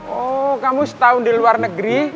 oh kamu setahun di luar negeri